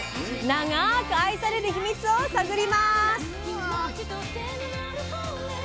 長く愛される秘密を探ります。